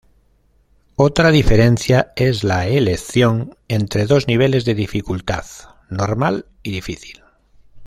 Otra diferencia es la elección entre dos niveles de dificultad: normal y difícil.